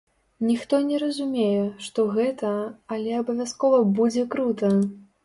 Ніхто не разумее, што гэта, але абавязкова будзе крута!